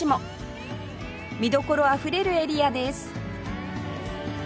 見どころあふれるエリアです